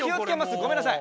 ごめんなさい。